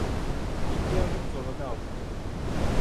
İhtiyacımız olanı aldık.